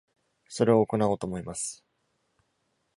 それを行おうと思います。